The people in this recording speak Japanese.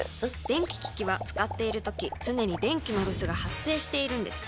電気機器は使っているとき常に電気のロスが発生しているのです。